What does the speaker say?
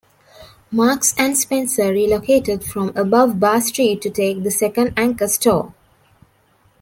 Marks and Spencer relocated from Above Bar Street to take the second anchor store.